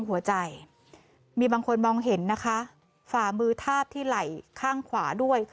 หัวใจมีบางคนมองเห็นนะคะฝ่ามือทาบที่ไหล่ข้างขวาด้วย